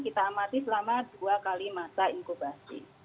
kita amati selama dua kali masa inkubasi